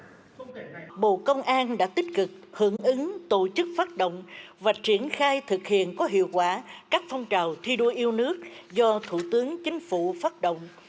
trước đó bộ công an đã tích cực hưởng ứng tổ chức phát động và triển khai thực hiện có hiệu quả các phong trào thi đua yêu nước do thủ tướng chính phủ phát động